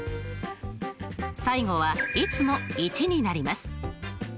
最後はいつも１になります。